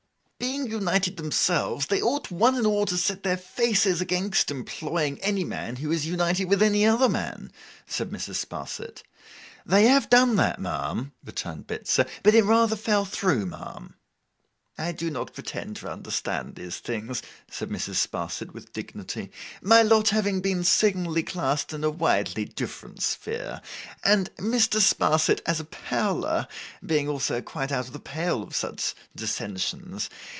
'Being united themselves, they ought one and all to set their faces against employing any man who is united with any other man,' said Mrs. Sparsit. 'They have done that, ma'am,' returned Bitzer; 'but it rather fell through, ma'am.' 'I do not pretend to understand these things,' said Mrs. Sparsit, with dignity, 'my lot having been signally cast in a widely different sphere; and Mr. Sparsit, as a Powler, being also quite out of the pale of any such dissensions.